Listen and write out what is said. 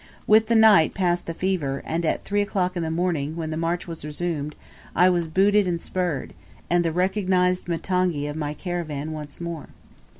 With the night passed the fever, and, at 3 o'clock in the morning, when the march was resumed, I was booted and spurred, and the recognized mtongi of my caravan once more.